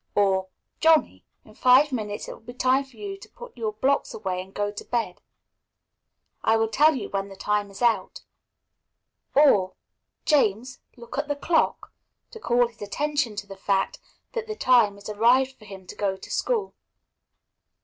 or, "Johnny, in five minutes it will be time for you to put your blocks away to go to bed; I will tell you when the time is out;" or, "James, look at the clock" to call his attention to the fact that the time is arrived for him to go to school.